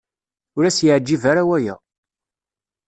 Ur as-yeɛjib ara waya.